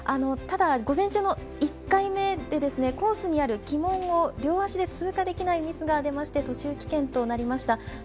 ただ、午前中の１回目でコースにある旗門を、両足で通過できないミスが出まして途中棄権となりました。